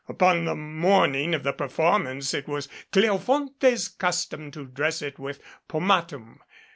Upon the morning of the performance it was Cleofonte's custom to dress it with pomatum.